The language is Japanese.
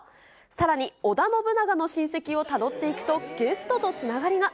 さらに、織田信長の親戚をたどっていくと、ゲストとつながりが。